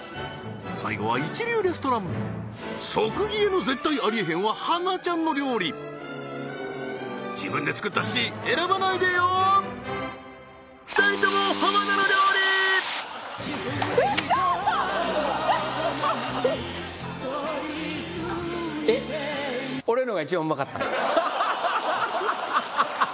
最後は一流レストラン即消えの絶対ありえへんは浜ちゃんの料理自分で作ったＣ選ばないでよ２人とも浜田の料理えっははははっ